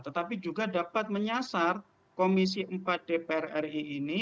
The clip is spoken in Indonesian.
tetapi juga dapat menyasar komisi empat dpr ri ini